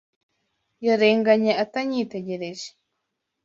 Yarenganye atanyitegereje.